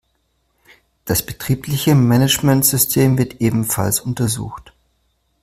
Das betriebliche Managementsystem wird ebenfalls untersucht.